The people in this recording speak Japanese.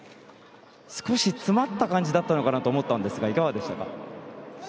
少し詰まった感じだったのかなと思ったんですがいかがでしたか。